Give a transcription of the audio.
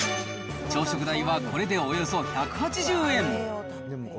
朝食代はこれでおよそ１８０円。